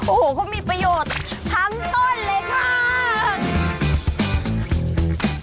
โอ้โหเขามีประโยชน์ทั้งต้นเลยค่ะ